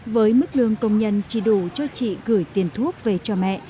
với mức lương công nhân chỉ đủ cho chị gửi tiền thuốc về cho mẹ